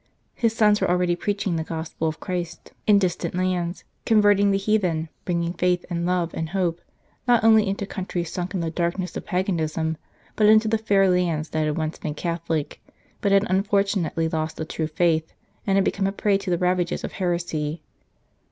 His sons were already preaching the Gospel of Christ in distant lands, converting the heathen, bringing faith and love and hope, not only into countries sunk in the darkness of paganism, but into the fair lands that had once been Catholic, but had unfortunately lost the true Faith, and had become a prey to the ravages of heresy.